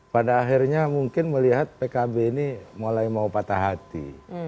pada akhirnya mungkin melihat pkb ini mulai mau patah hati